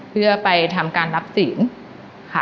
เพื่อไปทำการรับศีลค่ะ